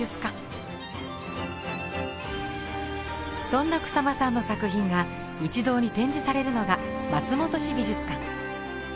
そんな草間さんの作品が一堂に展示されるのが松本市美術館。